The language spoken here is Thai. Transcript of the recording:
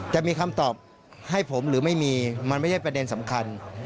จะมีคำตอบให้ผมหรือไม่มีมันไม่ใช่ประเด็นสำคัญ